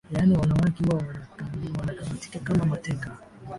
yaani wanawake huwa wanakamatika kama mateka